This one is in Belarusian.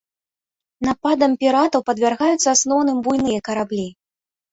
Нападам піратаў падвяргаюцца ў асноўным буйныя караблі.